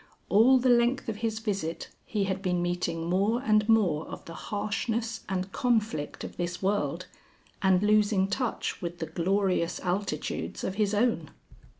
All the length of his Visit he had been meeting more and more of the harshness and conflict of this world, and losing touch with the glorious altitudes of his own.)